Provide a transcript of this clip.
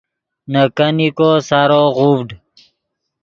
نے کینیکو سارو غوڤڈ